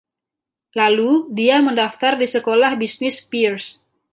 Lalu dia mendaftar di Sekolah Bisnis Peirce.